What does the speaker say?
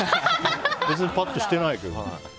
別にぱっとしてないけどね。